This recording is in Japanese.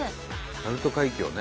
鳴門海峡ね。